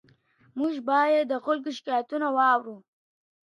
موږ بايد د خلګو شکايتونه واورو.